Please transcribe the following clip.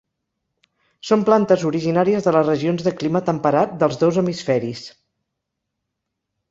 Són plantes originàries de les regions de clima temperat dels dos hemisferis.